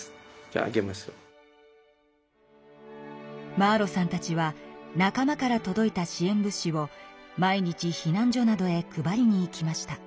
マーロさんたちは仲間からとどいた支えん物資を毎日避難所などへ配りに行きました。